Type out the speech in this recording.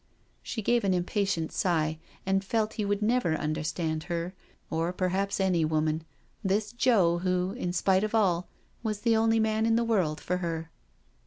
She gave an impatient sigh and felt he would never understand her, or perhaps any woman, this Joe who, in spite of all, was the only man in the world for her.